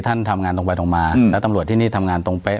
ทำงานตรงไปตรงมาแล้วตำรวจที่นี่ทำงานตรงเป๊ะ